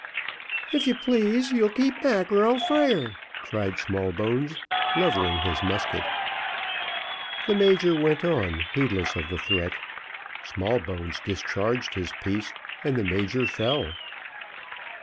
"If you please you'll keep back, or I'll fire," cried Smallbones, levelling his musket. The major went on, heedless of the threat. Smallbones discharged his piece, and the major fell.